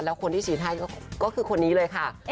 แล้วคนที่ฉีดให้ก็คือคนนี้เลยค่ะ